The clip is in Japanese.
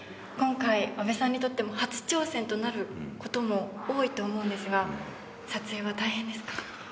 今回阿部さんにとっても初挑戦となることも多いと思うんですが撮影は大変ですか？